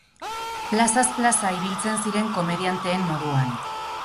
Plazaz plaza ibiltzen ziren komedianteen moduan.